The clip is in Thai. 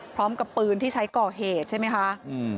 พร้อมกับปืนที่ใช้ก่อเหตุใช่ไหมคะ